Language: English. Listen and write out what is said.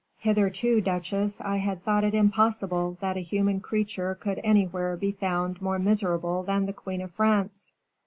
Hitherto, duchesse, I had thought it impossible that a human creature could anywhere be found more miserable than the queen of France."